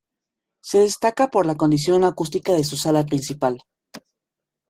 Se destaca por la condición acústica de su sala principal.